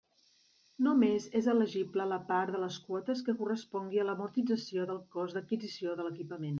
Només és elegible la part de les quotes que correspongui a l'amortització del cost d'adquisició de l'equipament.